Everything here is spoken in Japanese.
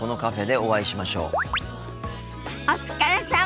お疲れさま。